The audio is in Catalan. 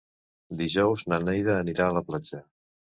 Dijous na Neida anirà a la platja.